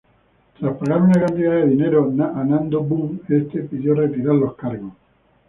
Tras pagar una cantidad de dinero a Nando Boom, este pidió retirar los cargos.